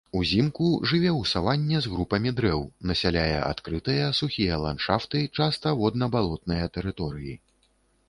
Узімку жыве ў саванне з групамі дрэў, насяляе адкрытыя, сухія ландшафты, часта водна-балотныя тэрыторыі.